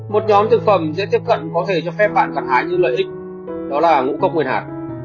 một nhóm thực phẩm dễ tiếp cận có thể cho phép bạn gặp hãi những lợi ích đó là ngũ cốc nguyên hạt